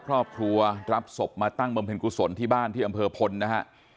ครอบครัวรับศพมาตั้งบำเพ็ญกุศลที่บ้านที่อำเภอพลนะฮะ